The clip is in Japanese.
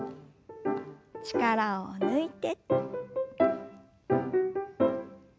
力を抜いて。